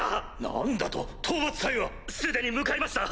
何だと⁉討伐隊は⁉既に向かいました！